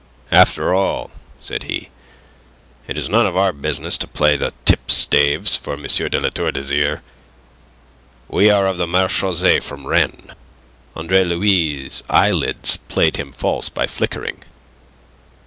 "After all," said he, "it is none of our business to play the tipstaves for M. de La Tour d'Azyr. We are of the marechaussee from Rennes." Andre Louis' eyelids played him false by flickering.